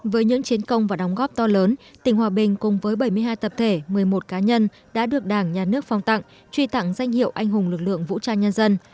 với những chiến công và đóng góp to lớn tỉnh hòa bình cùng với bảy mươi hai tập thể một mươi một cá nhân đã được đảng nhà nước phong tặng truy tặng danh hiệu anh hùng lực lượng vũ trang nhân dân